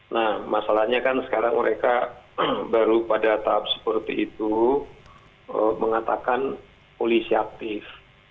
nah masalahnya kan sekarang mereka baru pada tahap seperti itu mengatakan polisi aktif